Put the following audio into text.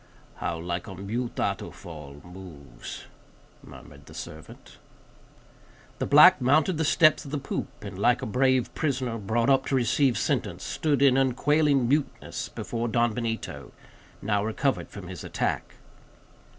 "How like a mute Atufal moves," murmured the servant. The black mounted the steps of the poop, and, like a brave prisoner, brought up to receive sentence, stood in unquailing muteness before Don Benito, now recovered from his attack.